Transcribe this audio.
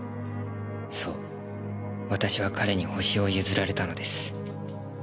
そう私は彼に星を譲られたのです。